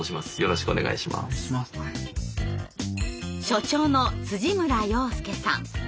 所長の村洋介さん。